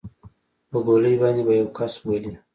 په ګولۍ باندې به يو کس ولې.